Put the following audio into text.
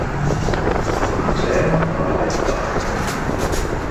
Il Museo navale di Buffalo